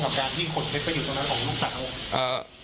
กับการที่ก่ดไปอยู่ตรงนั้นของลูกสาว